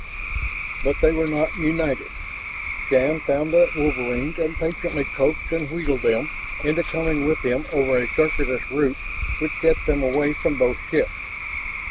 But they were not united. Shann found the wolverines and patiently coaxed and wheedled them into coming with him over a circuitous route which kept them away from both ships.